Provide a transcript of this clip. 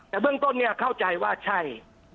แต่เบื้องต้นเนี่ยเข้าใจว่าใช่